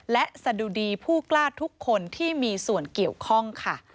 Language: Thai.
และสะดุดีผู้กล้าทุกคนที่มีส่วนเกี่ยวข้องค่ะ